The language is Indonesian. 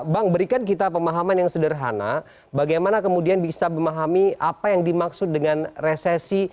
bang berikan kita pemahaman yang sederhana bagaimana kemudian bisa memahami apa yang dimaksud dengan resesi